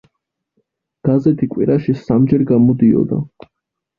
გაზეთი კვირაში სამჯერ გამოდიოდა.